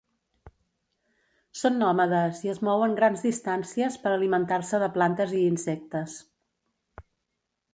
Són nòmades i es mouen grans distàncies per alimentar-se de plantes i insectes.